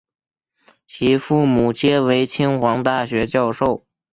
其父母皆为清华大学教授。